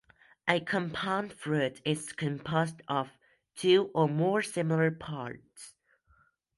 A compound fruit is "composed of two or more similar parts".